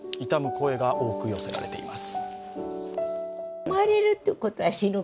声が多く寄せられています。